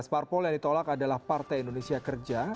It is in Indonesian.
empat belas parpol yang ditolak adalah partai indonesia kerja